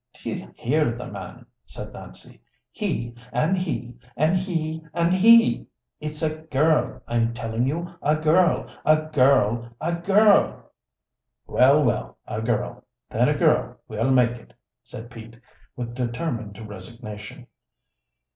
"Do you hear the man?" said Nancy. "He and he, and he and he! It's a girl, I'm telling you; a girl a girl a girl." "Well, well, a girl, then a girl we'll make it," said Pete, with determined resignation.